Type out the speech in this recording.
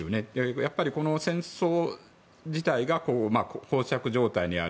やっぱり戦争自体が膠着状態にある。